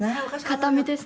形見です。